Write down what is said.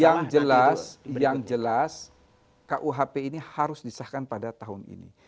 yang jelas yang jelas kuhp ini harus disahkan pada tahun ini